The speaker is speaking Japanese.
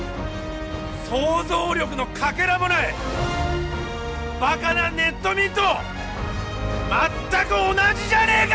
想像力のかけらもないバカなネット民と全く同じじゃねえか！